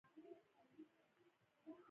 صادقانه سودا اوږده دوام کوي.